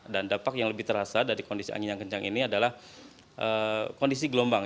dan dampak yang lebih terasa dari kondisi angin yang kencang ini adalah kondisi gelombang